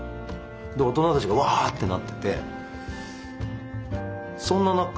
大人たちがワーッてなってて。